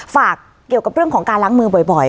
ฝากเกี่ยวกับเรื่องของการล้างมือบ่อย